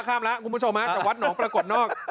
ข้ามแล้วคุณผู้ชมฮะจากวัดหนองปรากฏนอก